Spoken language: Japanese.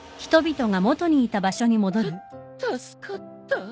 た助かった？